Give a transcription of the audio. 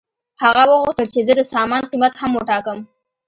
هغه وغوښتل چې زه د سامان قیمت هم وټاکم